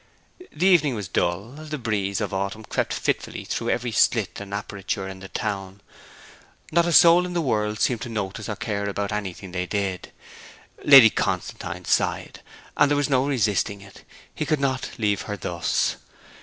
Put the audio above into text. The evening was dull; the breeze of autumn crept fitfully through every slit and aperture in the town; not a soul in the world seemed to notice or care about anything they did. Lady Constantine sighed; and there was no resisting it, he could not leave her thus.